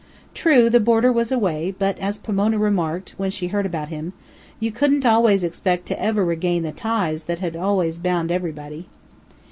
True, the boarder was away, but, as Pomona remarked, when she heard about him, "You couldn't always expect to ever regain the ties that had always bound everybody."